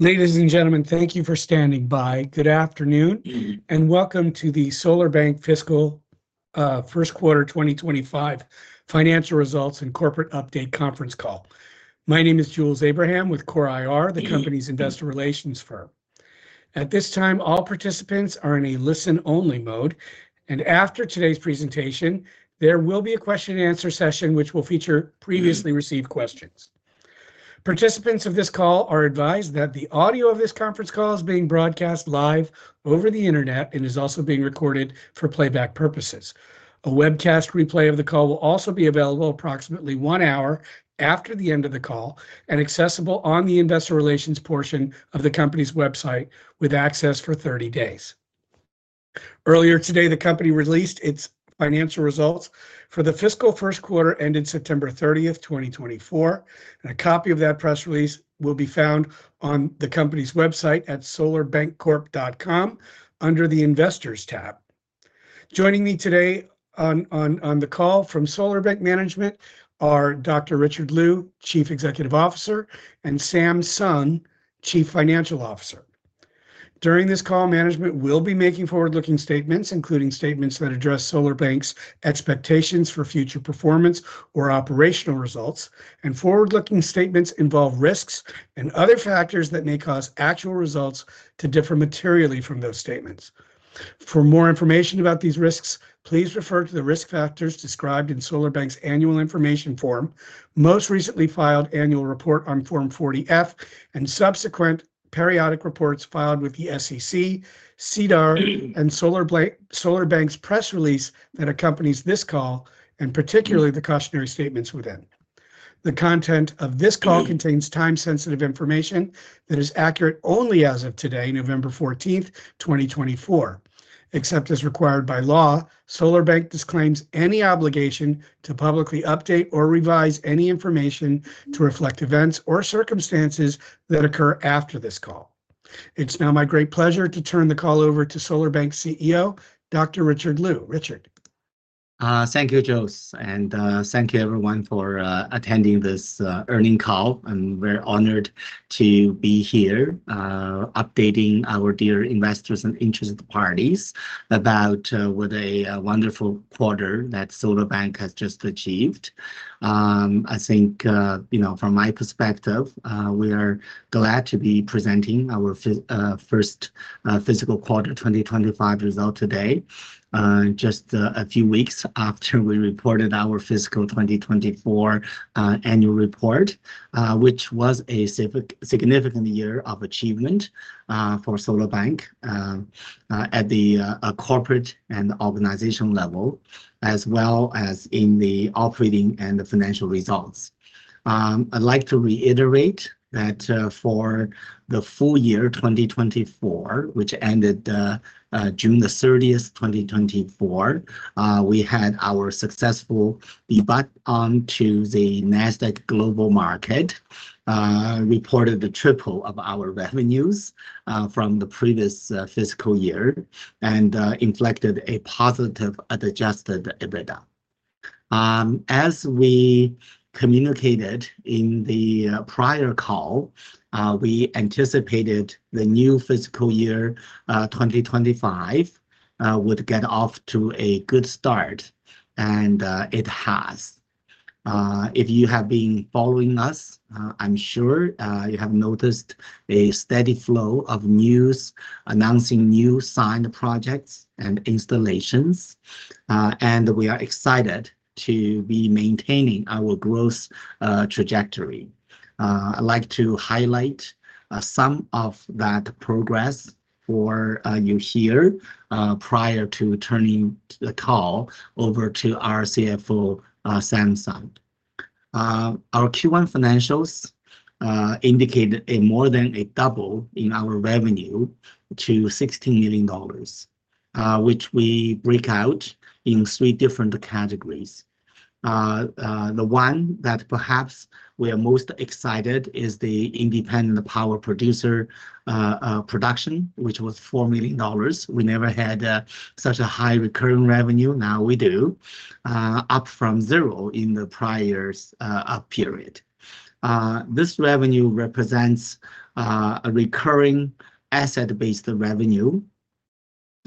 Ladies and gentlemen, thank you for standing by. Good afternoon and welcome to the SolarBank Fiscal First Quarter 2025 Financial Results and Corporate Update Conference Call. My name is Jules Abraham with CORE IR, the company's investor relations firm. At this time, all participants are in a listen-only mode, and after today's presentation, there will be a question-and-answer session which will feature previously received questions. Participants of this call are advised that the audio of this conference call is being broadcast live over the internet and is also being recorded for playback purposes. A webcast replay of the call will also be available approximately one hour after the end of the call and accessible on the investor relations portion of the company's website with access for 30 days. Earlier today, the company released its financial results for the fiscal first quarter ended September 30th, 2024, and a copy of that press release will be found on the company's website at solarbankcorp.com under the Investors tab. Joining me today on the call from SolarBank Management are Dr. Richard Liu, Chief Executive Officer, and Sam Sun, Chief Financial Officer. During this call, management will be making forward-looking statements, including statements that address SolarBank's expectations for future performance or operational results, and forward-looking statements involve risks and other factors that may cause actual results to differ materially from those statements. For more information about these risks, please refer to the risk factors described in SolarBank's Annual Information Form, most recently filed annual report on Form 40-F, and subsequent periodic reports filed with the SEC, SEDAR+, and SolarBank's press release that accompanies this call, and particularly the cautionary statements within. The content of this call contains time-sensitive information that is accurate only as of today, November 14th, 2024. Except as required by law, SolarBank disclaims any obligation to publicly update or revise any information to reflect events or circumstances that occur after this call. It's now my great pleasure to turn the call over to SolarBank CEO, Dr. Richard Liu. Richard. Thank you, Jules, and thank you everyone for attending this earnings call. I'm very honored to be here updating our dear investors and interested parties about what a wonderful quarter that SolarBank has just achieved. I think, you know, from my perspective, we are glad to be presenting our first fiscal quarter 2025 result today, just a few weeks after we reported our fiscal 2024 annual report, which was a significant year of achievement for SolarBank at the corporate and organizational level, as well as in the operating and the financial results. I'd like to reiterate that for the full year 2024, which ended June 30th, 2024, we had our successful debut onto the Nasdaq Global Market, reported the triple of our revenues from the previous fiscal year, and inflected a positive adjusted EBITDA. As we communicated in the prior call, we anticipated the new fiscal year 2025 would get off to a good start, and it has. If you have been following us, I'm sure you have noticed a steady flow of news announcing new signed projects and installations, and we are excited to be maintaining our growth trajectory. I'd like to highlight some of that progress for you here prior to turning the call over to our CFO, Sam Sun. Our Q1 financials indicated a more than a double in our revenue to 16 million dollars, which we break out in three different categories. The one that perhaps we are most excited about is the independent power producer production, which was 4 million dollars. We never had such a high recurring revenue. Now we do, up from zero in the prior period. This revenue represents a recurring asset-based revenue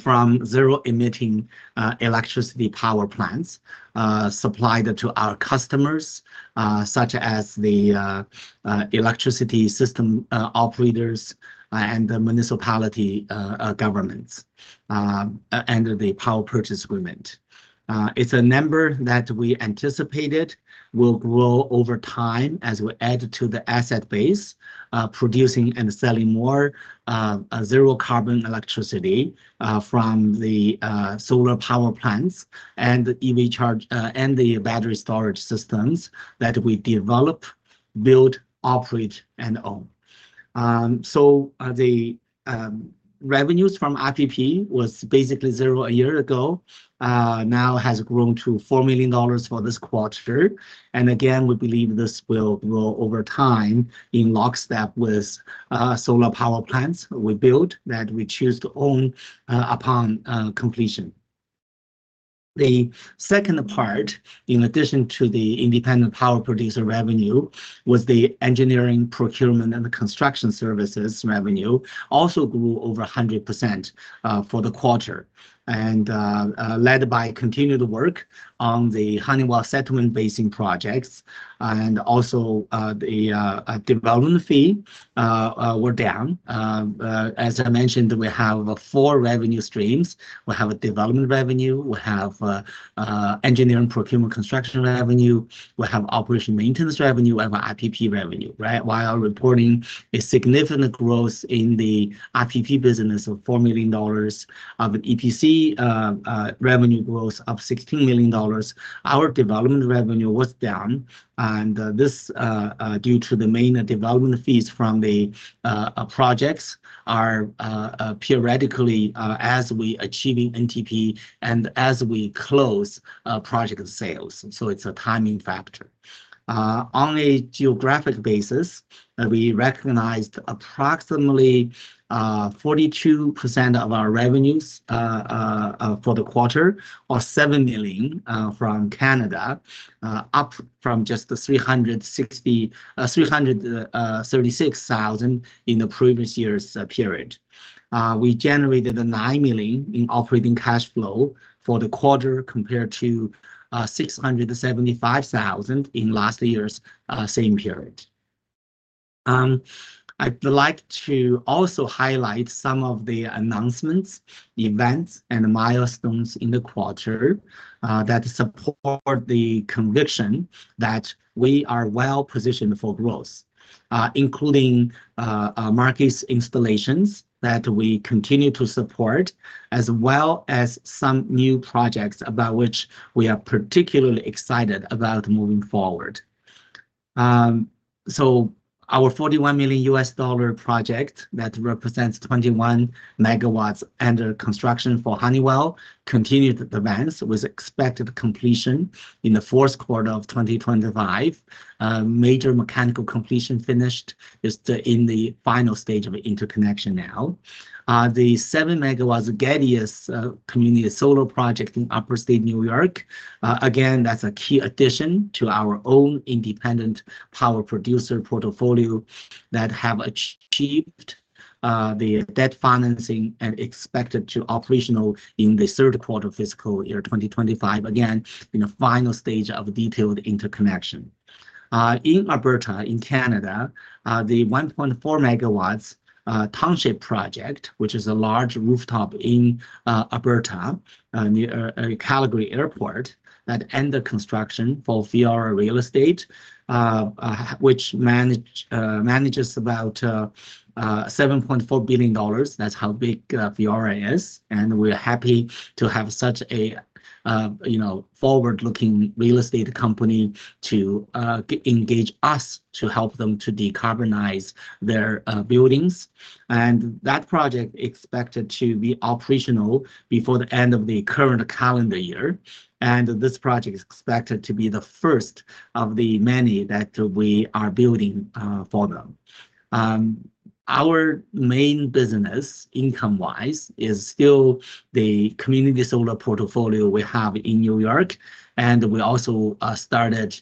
from zero-emitting electricity power plants supplied to our customers, such as the electricity system operators and the municipality governments under the power purchase agreement. It's a number that we anticipated will grow over time as we add to the asset base, producing and selling more zero-carbon electricity from the solar power plants and the EV charge and the battery storage systems that we develop, build, operate, and own, so the revenues from IPP was basically zero a year ago, now has grown to $4 million for this quarter, and again, we believe this will grow over time in lockstep with solar power plants we build that we choose to own upon completion. The second part, in addition to the independent power producer revenue, was the engineering, procurement, and the construction services revenue also grew over 100% for the quarter, and led by continued work on the Honeywell settlement basins projects, and also the development fee were down. As I mentioned, we have four revenue streams. We have a development revenue. We have engineering, procurement, construction revenue. We have operation maintenance revenue. We have IPP revenue, right? While reporting a significant growth in the IPP business of $4 million of EPC revenue growth of $16 million, our development revenue was down, and this is due to the main development fees from the projects are periodically as we achieve NTP and as we close project sales, so it's a timing factor. On a geographic basis, we recognized approximately 42% of our revenues for the quarter or 7 million from Canada, up from just 336,000 in the previous year's period. We generated 9 million in operating cash flow for the quarter compared to 675,000 in last year's same period. I'd like to also highlight some of the announcements, events, and milestones in the quarter that support the conviction that we are well positioned for growth, including markets installations that we continue to support, as well as some new projects about which we are particularly excited about moving forward. Our $41 million US dollar project that represents 21 megawatts under construction for Honeywell continued advance with expected completion in the fourth quarter of 2025. Major mechanical completion finished is in the final stage of interconnection now. The 7 megawatts Geddes community solar project in Upstate New York, again, that's a key addition to our own independent power producer portfolio that have achieved the debt financing and expected to be operational in the third quarter fiscal year 2025, again, in the final stage of detailed interconnection. In Alberta, in Canada, the 1.4 megawatts Township project, which is a large rooftop in Alberta, near Calgary Airport, under construction for Fiera Real Estate, which manages about 7.4 billion dollars. That's how big Fiera is. We're happy to have such a forward-looking real estate company to engage us to help them to decarbonize their buildings. That project is expected to be operational before the end of the current calendar year. This project is expected to be the first of the many that we are building for them. Our main business, income-wise, is still the community solar portfolio we have in New York. And we also started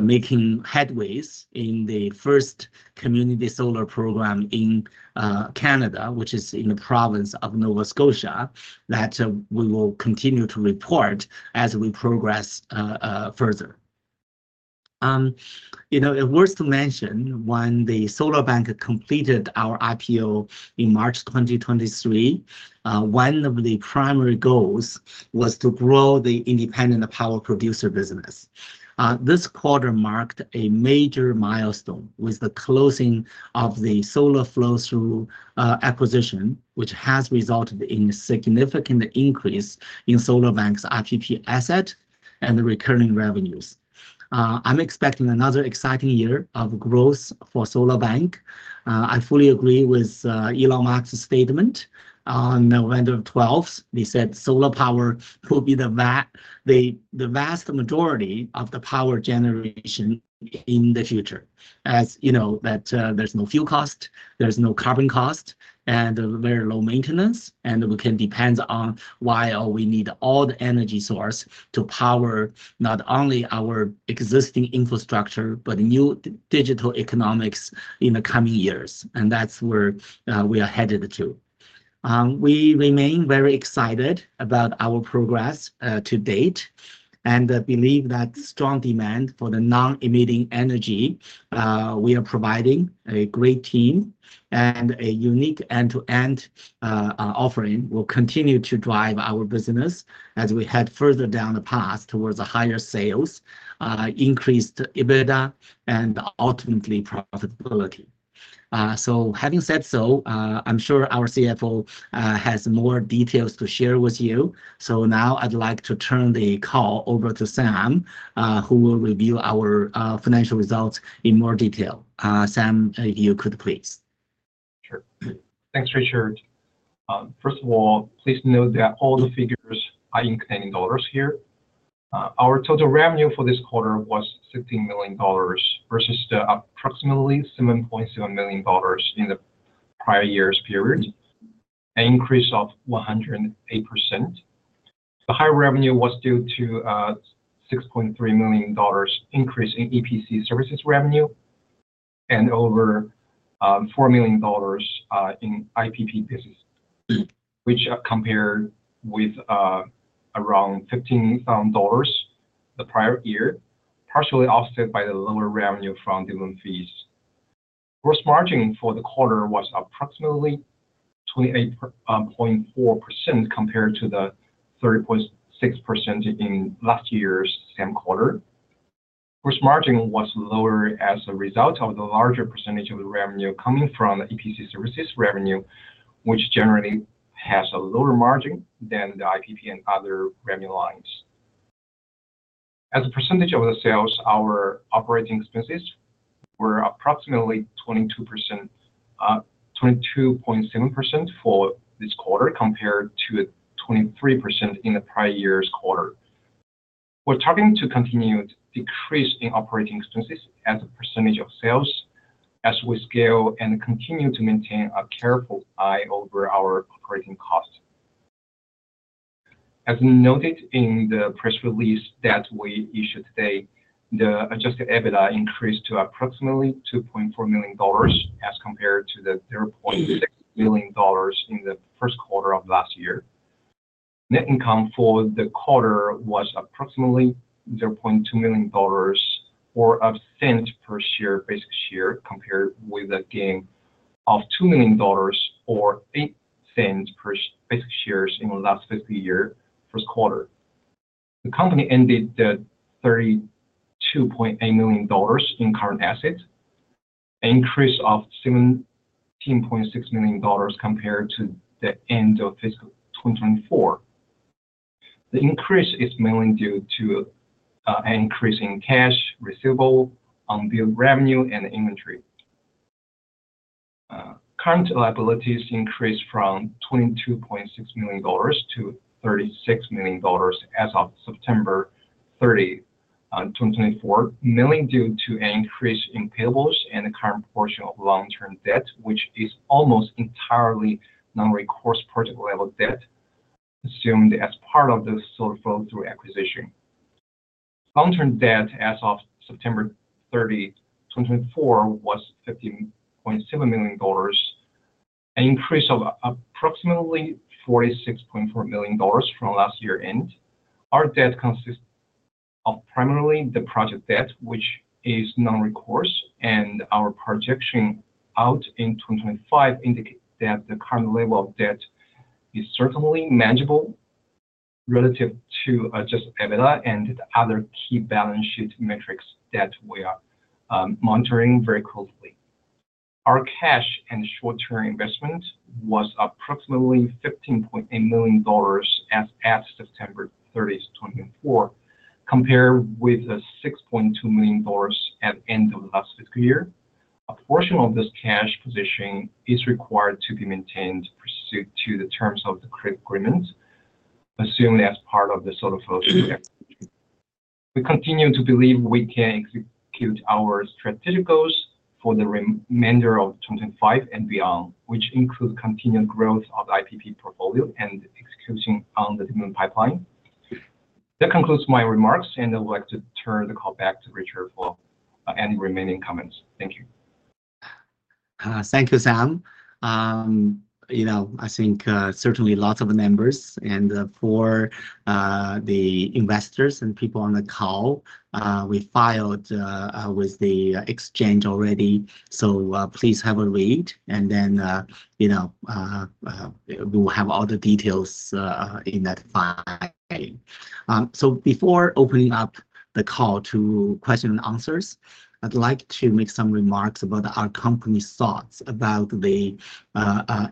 making headway in the first community solar program in Canada, which is in the province of Nova Scotia, that we will continue to report as we progress further. You know, it was to mention when the SolarBank completed our IPO in March 2023, one of the primary goals was to grow the independent power producer business. This quarter marked a major milestone with the closing of the Solar Flow-Through acquisition, which has resulted in a significant increase in SolarBank's IPP asset and the recurring revenues. I'm expecting another exciting year of growth for SolarBank. I fully agree with Elon Musk's statement on November 12th. He said solar power will be the vast majority of the power generation in the future, as you know, that there's no fuel cost, there's no carbon cost, and very low maintenance, and we can depend on why all we need all the energy source to power not only our existing infrastructure, but new digital economics in the coming years. And that's where we are headed to. We remain very excited about our progress to date, and I believe that strong demand for the non-emitting energy we are providing, a great team, and a unique end-to-end offering will continue to drive our business as we head further down the path towards higher sales, increased EBITDA, and ultimately profitability. So having said so, I'm sure our CFO has more details to share with you. So now I'd like to turn the call over to Sam, who will review our financial results in more detail. Sam, if you could, please. Sure. Thanks, Richard. First of all, please note that all the figures are in Canadian dollars here. Our total revenue for this quarter was 16 million dollars versus approximately 7.7 million dollars in the prior year's period, an increase of 108%. The high revenue was due to a 6.3 million dollars increase in EPC services revenue and over 4 million dollars in IPP business, which compared with around 15,000 dollars the prior year, partially offset by the lower revenue from different fees. Gross margin for the quarter was approximately 28.4% compared to the 30.6% in last year's same quarter. Gross margin was lower as a result of the larger percentage of the revenue coming from the EPC services revenue, which generally has a lower margin than the IPP and other revenue lines. As a percentage of the sales, our operating expenses were approximately 22.7% for this quarter compared to 23% in the prior year's quarter. We're targeting to continue to decrease in operating expenses as a percentage of sales as we scale and continue to maintain a careful eye over our operating costs. As noted in the press release that we issued today, the Adjusted EBITDA increased to approximately $2.4 million as compared to the $0.6 million in the first quarter of last year. Net income for the quarter was approximately $0.2 million or 1 cent per basic share compared with a gain of $2 million or eight cents per basic shares in the last fiscal year first quarter. The company ended with $32.8 million in current assets, an increase of $17.6 million compared to the end of fiscal 2024. The increase is mainly due to an increase in cash, receivables on revenue, and inventory. Current liabilities increased from 22.6 million dollars to 36 million dollars as of September 30, 2024, mainly due to an increase in payables and the current portion of long-term debt, which is almost entirely non-recourse project-level debt assumed as part of the Solar Flow-Through Funds acquisition. Long-term debt as of September 30, 2024, was 15.7 million dollars, an increase of approximately 46.4 million dollars from last year's end. Our debt consists of primarily the project debt, which is non-recourse, and our projection out in 2025 indicates that the current level of debt is certainly manageable relative to Adjusted EBITDA and the other key balance sheet metrics that we are monitoring very closely. Our cash and short-term investment was approximately 15.8 million dollars as of September 30, 2024, compared with 6.2 million dollars at the end of last fiscal year. A portion of this cash position is required to be maintained pursuant to the terms of the credit agreement assumed as part of the Solar Flow-Through. We continue to believe we can execute our strategic goals for the remainder of 2025 and beyond, which includes continued growth of the IPP portfolio and execution on the demand pipeline. That concludes my remarks, and I would like to turn the call back to Richard for any remaining comments. Thank you. Thank you, Sam. You know, I think certainly lots of members. And for the investors and people on the call, we filed with the exchange already. So please have a read, and then we will have all the details in that file. So before opening up the call to questions and answers, I'd like to make some remarks about our company's thoughts about the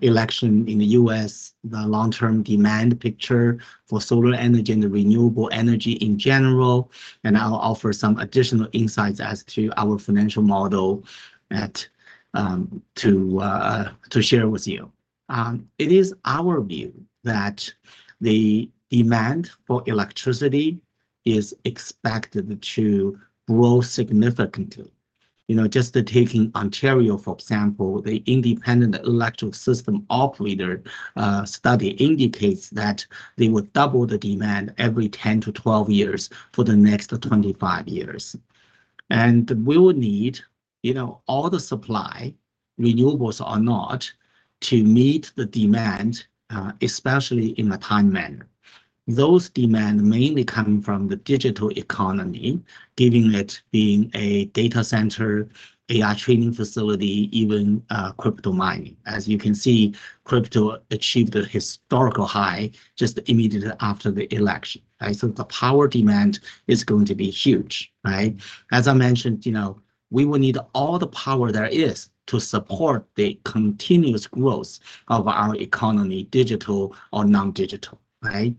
election in the U.S., the long-term demand picture for solar energy and renewable energy in general, and I'll offer some additional insights as to our financial model to share with you. It is our view that the demand for electricity is expected to grow significantly. You know, just taking Ontario, for example, the Independent Electricity System Operator study indicates that they would double the demand every 10 to 12 years for the next 25 years. We will need, you know, all the supply, renewables or not, to meet the demand, especially in a timed manner. Those demands mainly come from the digital economy, given it being a data center, AI training facility, even crypto mining. As you can see, crypto achieved a historical high just immediately after the election. The power demand is going to be huge, right? As I mentioned, you know, we will need all the power there is to support the continuous growth of our economy, digital or non-digital, right?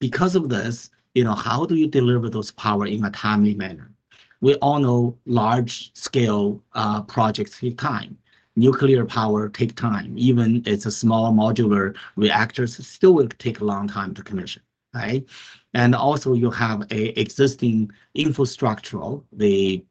Because of this, you know, how do you deliver those power in a timely manner? We all know large-scale projects take time. Nuclear power takes time. Even if it's a small modular reactor, it still will take a long time to commission, right? And also, you have an existing infrastructure, the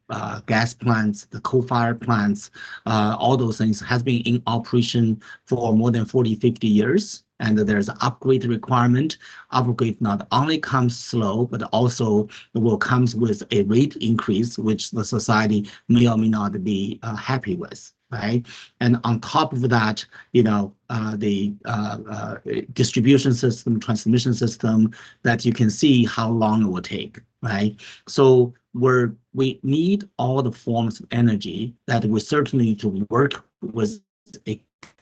gas plants, the coal-fired plants, all those things have been in operation for more than 40-50 years, and there's an upgrade requirement. Upgrade not only comes slow, but also will come with a rate increase, which the society may or may not be happy with, right? And on top of that, you know, the distribution system, transmission system, that you can see how long it will take, right? So we need all the forms of energy that we certainly need to work with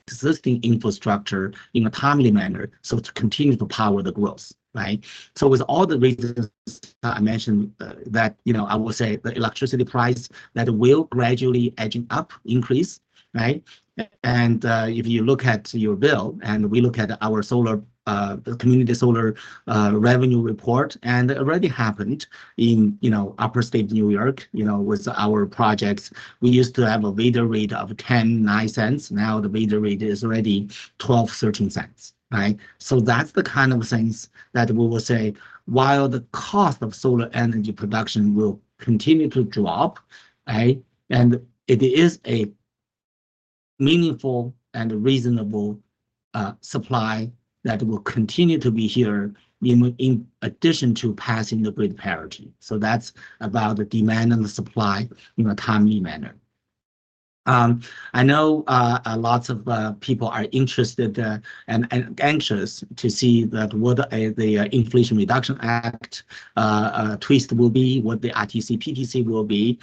existing infrastructure in a timely manner so to continue to power the growth, right? So with all the reasons I mentioned that, you know, I will say the electricity price that will gradually edge up, increase, right? If you look at your bill and we look at our solar, the community solar revenue report, and it already happened in, you know, Upstate New York, you know, with our projects, we used to have a VDER rate of 10.9 cents. Now the VDER rate is already 12.13 cents, right? So that's the kind of things that we will say while the cost of solar energy production will continue to drop, right? And it is a meaningful and reasonable supply that will continue to be here in addition to passing the grid parity. So that's about the demand and the supply in a timely manner. I know lots of people are interested and anxious to see what the Inflation Reduction Act twist will be, what the ITC PTC will be.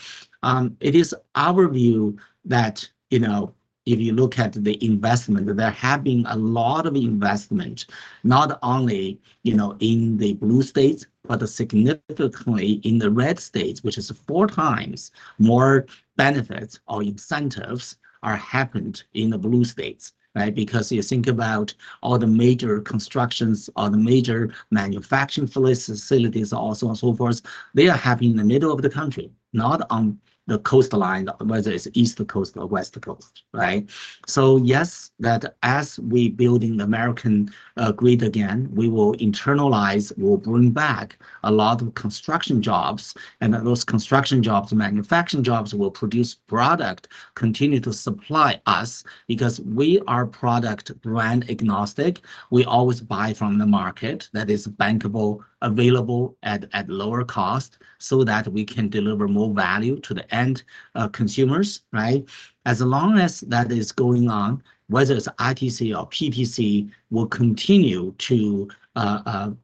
It is our view that, you know, if you look at the investment, there have been a lot of investment, not only, you know, in the blue states, but significantly in the red states, which is four times more benefits or incentives that have happened in the blue states, right? Because you think about all the major constructions, all the major manufacturing facilities, and so on and so forth, they are happening in the middle of the country, not on the coastline, whether it's east coast or west coast, right? So yes, that as we build in the American grid again, we will internalize, we'll bring back a lot of construction jobs, and those construction jobs, manufacturing jobs will produce product, continue to supply us because we are product brand agnostic. We always buy from the market that is bankable, available at lower cost so that we can deliver more value to the end consumers, right? As long as that is going on, whether it's ITC or PTC, we'll continue to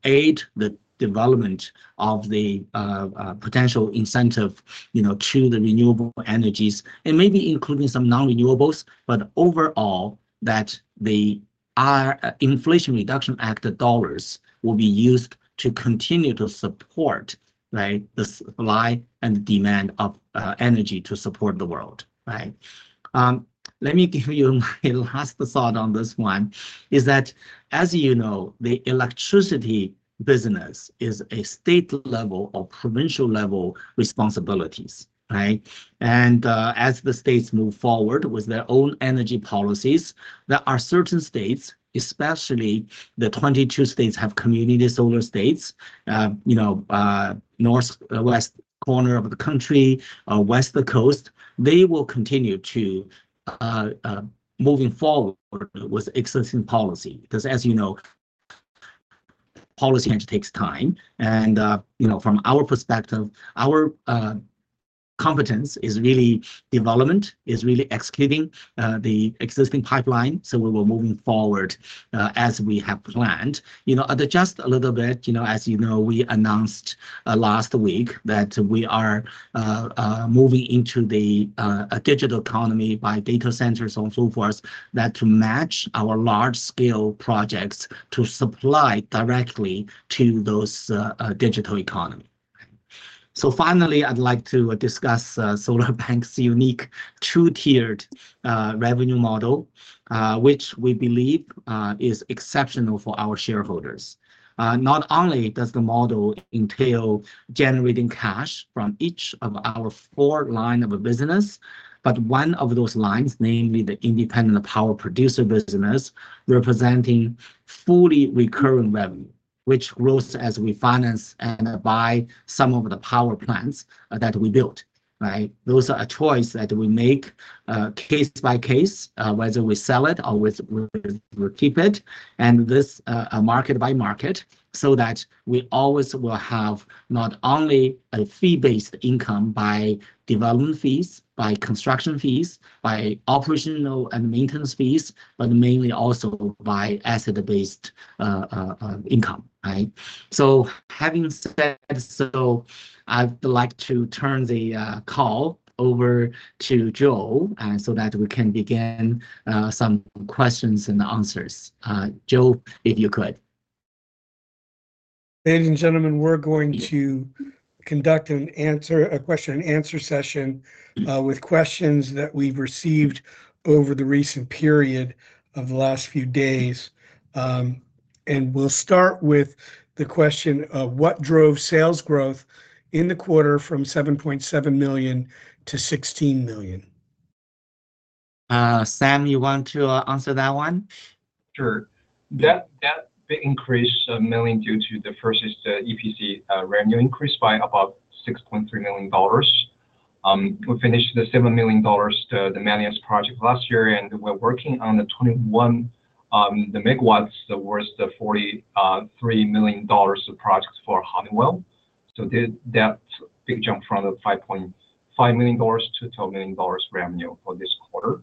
aid the development of the potential incentive, you know, to the renewable energies and maybe including some non-renewables. But overall, that the Inflation Reduction Act dollars will be used to continue to support, right, the supply and demand of energy to support the world, right? Let me give you my last thought on this one: that, as you know, the electricity business is a state-level or provincial-level responsibility, right? As the states move forward with their own energy policies, there are certain states, especially the 22 community solar states, you know, northwest corner of the country or west coast. They will continue to move forward with existing policy because, as you know, policy takes time. You know, from our perspective, our competency is really development, is really executing the existing pipeline. We will move forward as we have planned. You know, just a little bit, you know, as you know, we announced last week that we are moving into the digital economy by data centers and so forth, that to match our large-scale projects to supply directly to the digital economy. Finally, I'd like to discuss PowerBank's unique two-tiered revenue model, which we believe is exceptional for our shareholders. Not only does the model entail generating cash from each of our four lines of business, but one of those lines, namely the independent power producer business, representing fully recurring revenue, which grows as we finance and buy some of the power plants that we built, right? Those are a choice that we make case by case, whether we sell it or we keep it, and this market by market so that we always will have not only a fee-based income by development fees, by construction fees, by operational and maintenance fees, but mainly also by asset-based income, right? So having said so, I'd like to turn the call over to Joe so that we can begin some questions and answers. Jules, if you could. Ladies and gentlemen, we're going to conduct a question and answer session with questions that we've received over the recent period of the last few days. And we'll start with the question of what drove sales growth in the quarter from $7.7 million-$16 million. Sam, you want to answer that one? Sure. That increase is mainly due to the first is the EPC revenue increase by about $6.3 million. We finished the $7 million to the Manlius project last year, and we're working on the 21 megawatts worth the $43 million project for Honeywell. So that big jump from the $5.5 million to $12 million revenue for this quarter.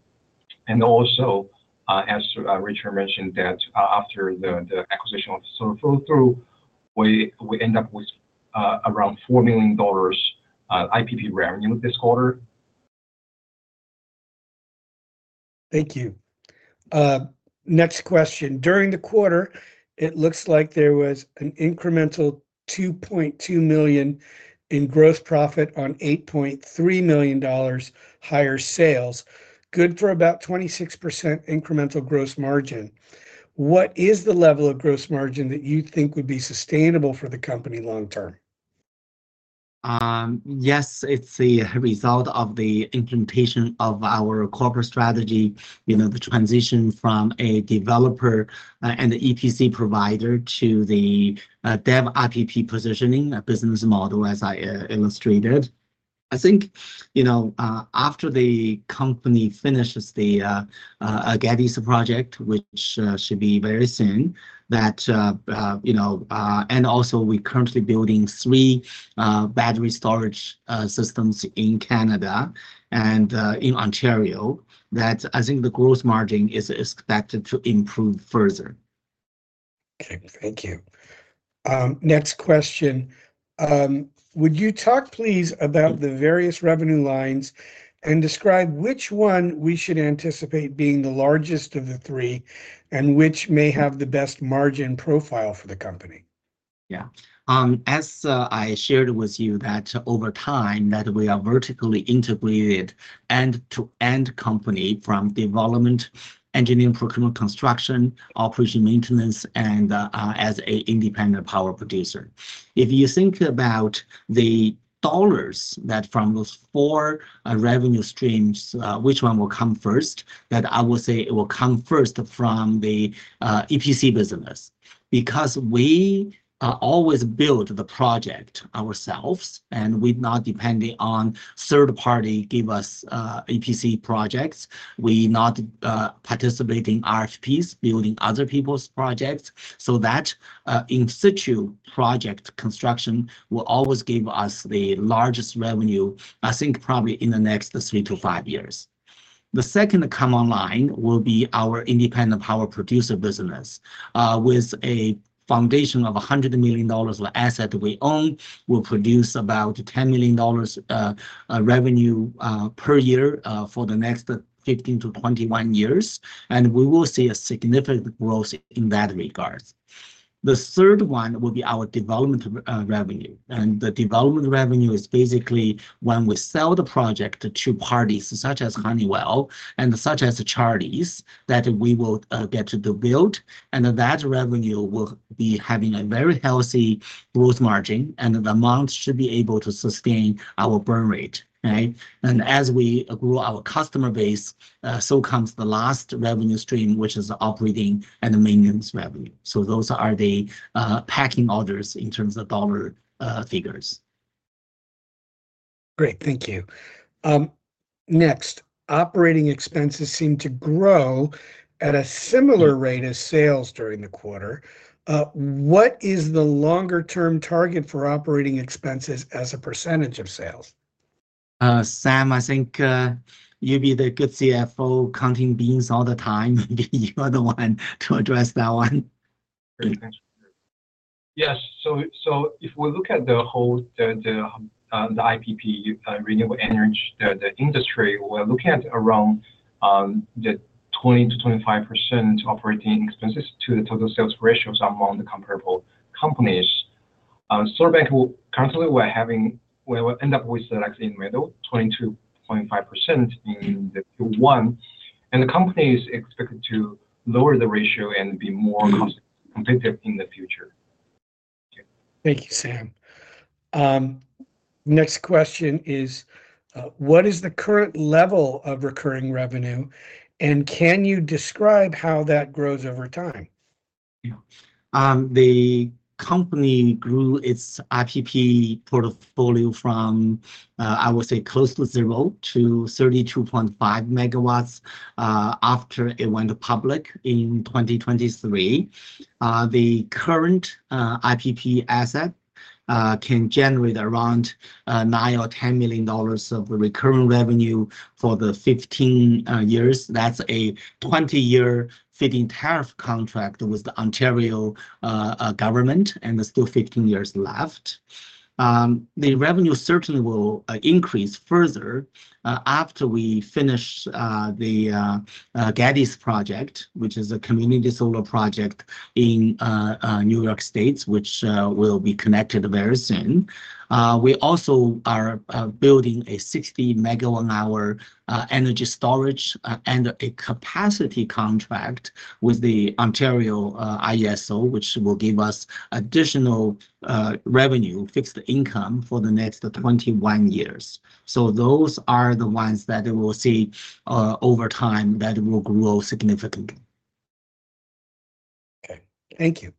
And also, as Richard mentioned, that after the acquisition of Solar Flow-through, we end up with around $4 million IPP revenue this quarter. Thank you. Next question. During the quarter, it looks like there was an incremental $2.2 million in gross profit on $8.3 million higher sales, good for about 26% incremental gross margin. What is the level of gross margin that you think would be sustainable for the company long-term? Yes, it's the result of the implementation of our corporate strategy, you know, the transition from a developer and the EPC provider to the dev IPP positioning, a business model, as I illustrated. I think, you know, after the company finishes the Geddes project, which should be very soon, that, you know, and also we're currently building three battery storage systems in Canada and in Ontario, that I think the gross margin is expected to improve further. Okay. Thank you. Next question. Would you talk, please, about the various revenue lines and describe which one we should anticipate being the largest of the three and which may have the best margin profile for the company? Yeah. As I shared with you that over time that we are vertically integrated end-to-end company from development, engineering, procurement, construction, operation, maintenance, and as an independent power producer. If you think about the dollars that from those four revenue streams, which one will come first? That I will say it will come first from the EPC business because we always build the project ourselves and we're not depending on third party giving us EPC projects. We're not participating in RFPs, building other people's projects. So that in-situ project construction will always give us the largest revenue, I think probably in the next three to five years. The second to come online will be our independent power producer business. With a foundation of $100 million of asset we own, we'll produce about $10 million revenue per year for the next 15-21 years, and we will see a significant growth in that regard. The third one will be our development revenue, and the development revenue is basically when we sell the project to parties such as Honeywell and such as Charlie's that we will get to build, and that revenue will be having a very healthy gross margin, and the amount should be able to sustain our burn rate, right, and as we grow our customer base, so comes the last revenue stream, which is the operating and the maintenance revenue, so those are the pecking orders in terms of dollar figures. Great. Thank you. Next, operating expenses seem to grow at a similar rate of sales during the quarter. What is the longer-term target for operating expenses as a % of sales? Sam, I think you'd be the good CFO counting beans all the time. Maybe you are the one to address that one. Yes, so if we look at the whole, the IPP, renewable energy, the industry, we're looking at around the 20%-25% operating expenses to the total sales ratios among the comparable companies. PowerBank currently we're having, we will end up with like in the middle, 22.5% in the Q1, and the company is expected to lower the ratio and be more competitive in the future. Thank you, Sam. Next question is, what is the current level of recurring revenue, and can you describe how that grows over time? The company grew its IPP portfolio from, I would say, close to zero to 32.5 megawatts after it went public in 2023. The current IPP asset can generate around 9 million or 10 million dollars of recurring revenue for the 15 years. That's a 20-year feed-in tariff contract with the Ontario government, and there's still 15 years left. The revenue certainly will increase further after we finish the Geddes project, which is a community solar project in New York State, which will be connected very soon. We also are building a 60 megawatt-hour energy storage and a capacity contract with the IESO, which will give us additional revenue, fixed income for the next 21 years. So those are the ones that we'll see over time that will grow significantly. Okay. Thank you.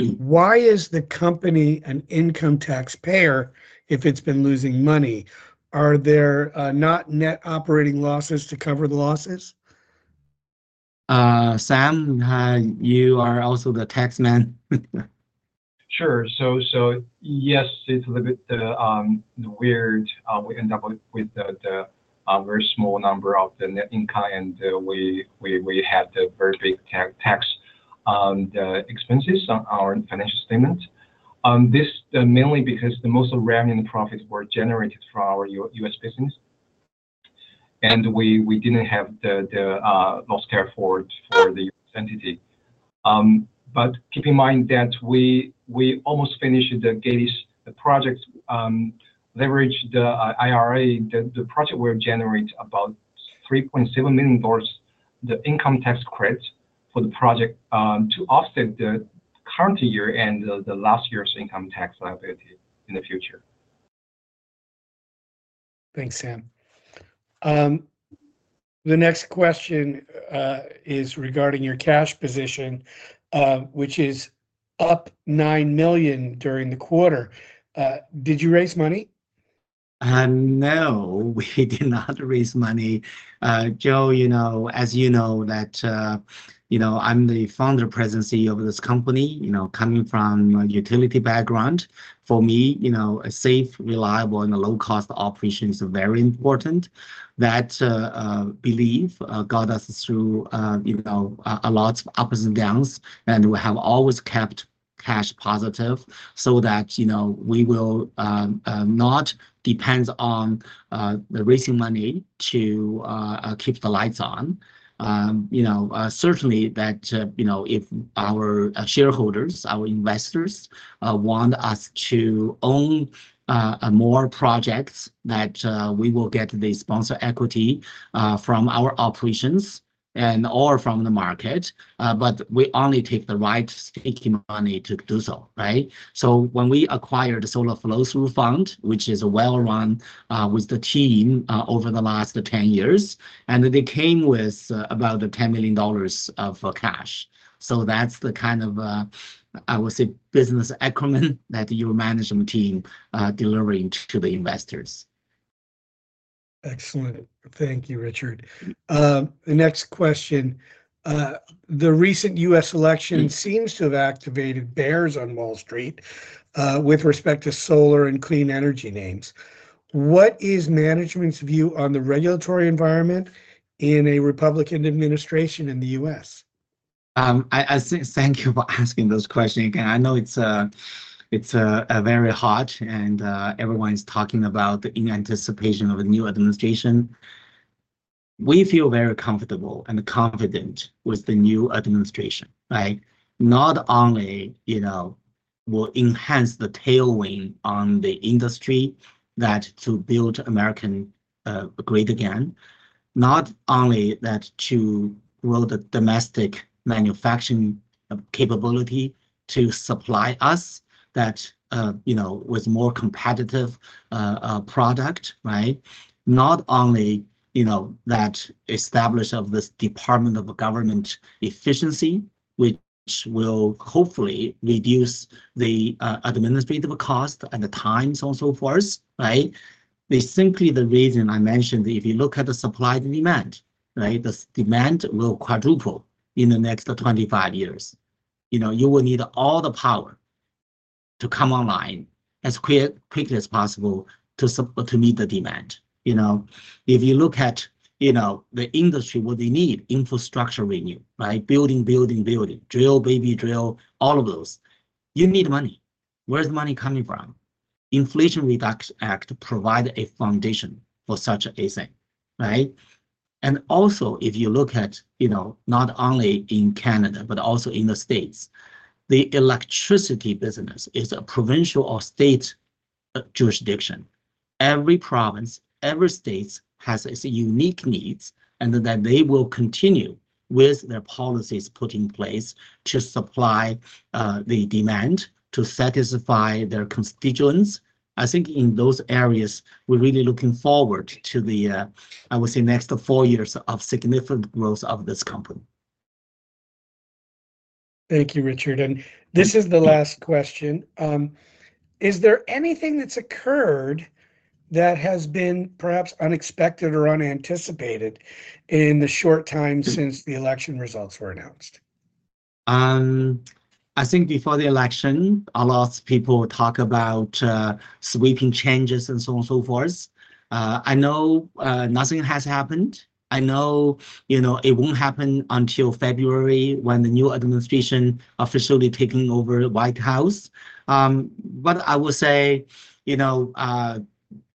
Why is the company an income taxpayer if it's been losing money? Are there not net operating losses to cover the losses? Sam, you are also the taxman. Sure, so yes, it's a little bit weird. We end up with a very small number of the net income, and we had very big tax expenses on our financial statement. This mainly because the most revenue and profit were generated from our U.S. business, and we didn't have the loss carry for the U.S. entity. But keep in mind that we almost finished the Geddes project, leveraged the IRA. The project will generate about $3.7 million, the income tax credit for the project to offset the current year and the last year's income tax liability in the future. Thanks, Sam. The next question is regarding your cash position, which is up $9 million during the quarter. Did you raise money? No, we did not raise money. Joe, you know, as you know that I'm the founder and president CEO of this company, you know, coming from a utility background. For me, a safe, reliable, and low-cost operation is very important. That belief got us through a lot of ups and downs, and we have always kept cash positive so that, you know, we will not depend on raising money to keep the lights on. You know, certainly that, you know, if our shareholders, our investors want us to own more projects, that we will get the sponsor equity from our operations and/or from the market, but we only take the right sticky money to do so, right? So when we acquired the Solar Flow-Through Fund, which is well-run with the team over the last 10 years, and they came with about 10 million dollars of cash. So that's the kind of, I would say, business acumen that your management team is delivering to the investors. Excellent. Thank you, Richard. The next question. The recent U.S. election seems to have activated bears on Wall Street with respect to solar and clean energy names. What is management's view on the regulatory environment in a Republican administration in the U.S.? I think, thank you for asking those questions again. I know it's very hot, and everyone is talking about the anticipation of a new administration. We feel very comfortable and confident with the new administration, right? Not only, you know, will enhance the tailwind on the industry that to build America great again, not only that to grow the domestic manufacturing capability to supply us that, you know, with more competitive product, right? Not only, you know, the establishment of this Department of Government Efficiency, which will hopefully reduce the administrative cost and the times and so forth, right? That's simply the reason I mentioned, if you look at the supply and demand, right, the demand will quadruple in the next 25 years. You know, you will need all the power to come online as quickly as possible to meet the demand. You know, if you look at, you know, the industry, what they need, infrastructure renewal, right? Building, building, building, drill, baby drill, all of those. You need money. Where's the money coming from? Inflation Reduction Act provided a foundation for such a thing, right? And also, if you look at, you know, not only in Canada, but also in the States, the electricity business is a provincial or state jurisdiction. Every province, every state has its unique needs, and that they will continue with their policies put in place to supply the demand to satisfy their constituents. I think in those areas, we're really looking forward to the, I would say, next four years of significant growth of this company. Thank you, Richard. This is the last question. Is there anything that's occurred that has been perhaps unexpected or unanticipated in the short time since the election results were announced? I think before the election, a lot of people talk about sweeping changes and so on and so forth. I know nothing has happened. I know, you know, it won't happen until February when the new administration officially taking over the White House. But I will say, you know,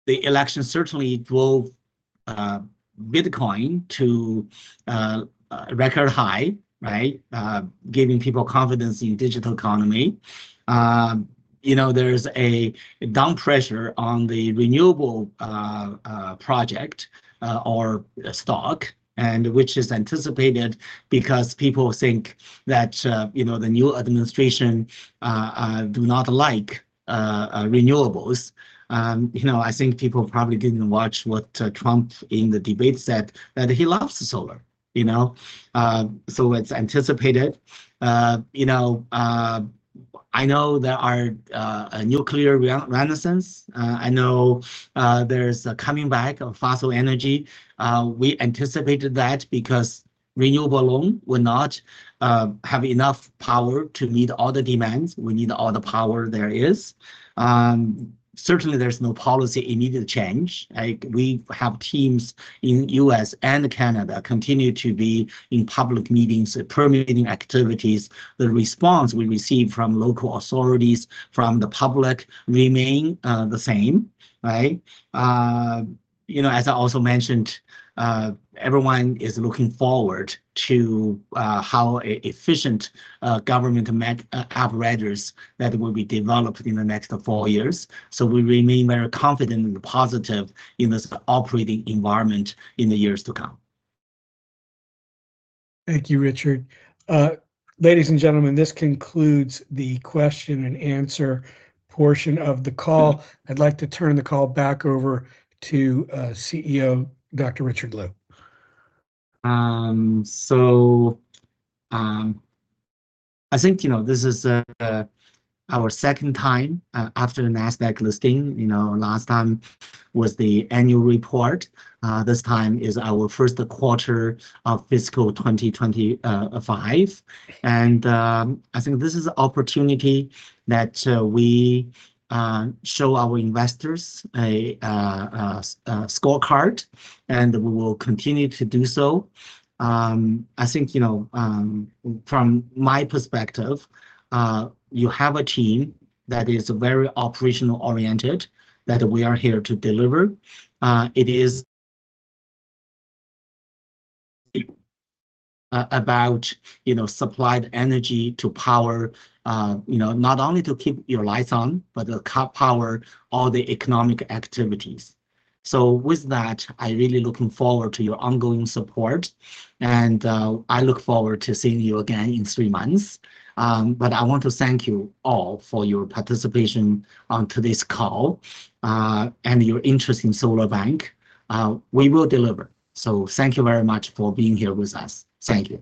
the election certainly drove Bitcoin to a record high, right? Giving people confidence in digital economy. You know, there's a down pressure on the renewable project or stock, which is anticipated because people think that, you know, the new administration does not like renewables. You know, I think people probably didn't watch what Trump in the debate said, that he loves solar, you know? So it's anticipated. You know, I know there are a nuclear renaissance. I know there's a coming back of fossil energy. We anticipated that because renewable alone will not have enough power to meet all the demands. We need all the power there is. Certainly, there's no policy immediate change. We have teams in the U.S. and Canada continue to be in public meetings, permitting activities. The response we receive from local authorities, from the public, remain the same, right? You know, as I also mentioned, everyone is looking forward to the Department of Government Efficiency that will be developed in the next four years. So we remain very confident and positive in this operating environment in the years to come. Thank you, Richard. Ladies and gentlemen, this concludes the question and answer portion of the call. I'd like to turn the call back over to CEO Dr. Richard Lu. I think, you know, this is our second time after the Nasdaq listing. You know, last time was the annual report. This time is our first quarter of fiscal 2025. I think this is an opportunity that we show our investors a scorecard, and we will continue to do so. I think, you know, from my perspective, you have a team that is very operational oriented that we are here to deliver. It is about, you know, supplied energy to power, you know, not only to keep your lights on, but to power all the economic activities. With that, I really look forward to your ongoing support, and I look forward to seeing you again in three months. I want to thank you all for your participation on today's call and your interest in SolarBank. We will deliver. Thank you very much for being here with us. Thank you.